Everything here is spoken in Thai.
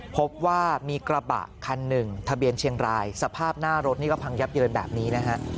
พบว่ามีกระบะคันหนึ่งทะเบียนเชียงรายสภาพหน้ารถนี่ก็พังยับเยินแบบนี้นะฮะ